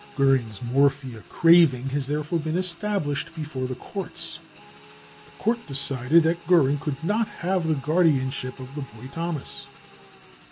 Goering's morphia craving has therefore been established before the courts. The court decided that Goering could not have the guardianship of the boy Thomas.